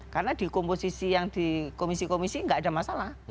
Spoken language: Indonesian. karena di komposisi yang di komisi komisi nggak ada masalah